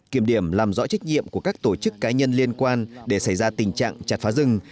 kiểm điểm làm rõ trách nhiệm của các tổ chức cá nhân liên quan để xảy ra tình trạng chặt phá rừng